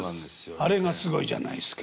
あれがすごいじゃないすか。